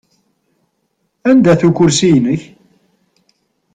Anda-t ukursi-inek?